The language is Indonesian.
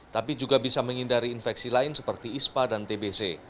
tapi juga bisa menghindari infeksi lain seperti ispa dan tbc